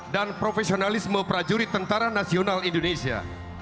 dan profesionalisme prajurit tentara nasional indonesia